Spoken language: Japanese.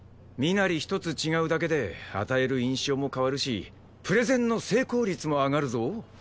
身なり一つ違うだけで与える印象も変わるしプレゼンの成功率も上がるぞ！